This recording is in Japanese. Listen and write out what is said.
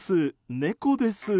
猫です。